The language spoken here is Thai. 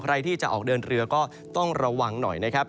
ใครที่จะออกเดินเรือก็ต้องระวังหน่อยนะครับ